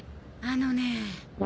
あのね。